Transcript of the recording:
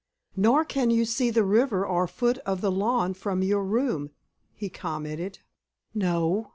"Nor can you see the river or foot of the lawn from your room," he commented. "No.